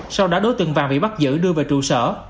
sau đó đối tượng vàng bị bắt giữ đưa về trụ sở